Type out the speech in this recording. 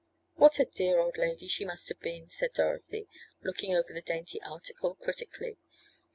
"What a dear old lady she must have been," said Dorothy, looking over the dainty article critically.